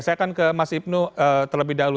saya akan ke mas ibnu terlebih dahulu